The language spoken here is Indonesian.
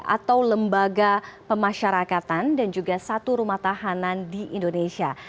atau lembaga pemasyarakatan dan juga satu rumah tahanan di indonesia